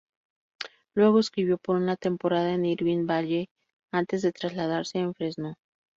Luego escribió por una temporada en Irvine Valley antes de trasladarse a Fresno.